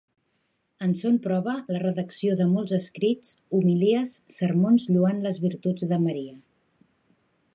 En són prova la redacció de molts escrits, homilies, sermons lloant les virtuts de Maria.